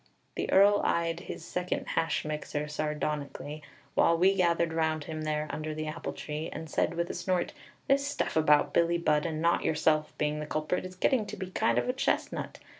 The Earl eyed his second hash mixer sardonically, while we gathered round him there under the apple tree, and said with a snort: "This stuff about Billie Budd and not yourself being the culprit is getting to be kind of a chestnut.